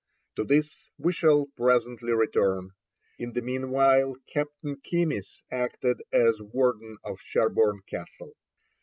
To this we shall presently return. In the meanwhile Captain Keymis acted as warden of Sherborne Castle.